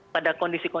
pada kondisi kurikulum